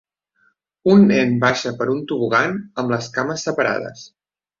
Un nen baixa per un tobogan amb les cames separades.